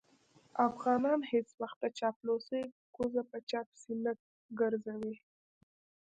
افغانان هېڅ وخت د چاپلوسۍ کوزه په چا پسې نه ګرځوي.